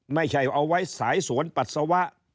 ไม่ใช่เอาไว้สายสวนปัสสาวะ